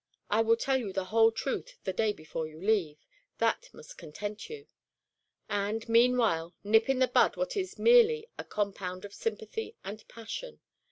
I will tell you the whole truth the day before you leave; that must content you. And, meanwhile, nip in the bud what is merely a compound of sympathy and passion.